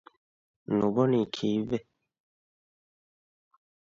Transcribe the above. ނުބޮނީ ކީއްވެ؟